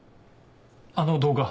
あの動画。